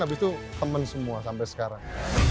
habis itu temen semua sampai sekarang